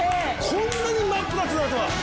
こんなに真っ二つになるとは。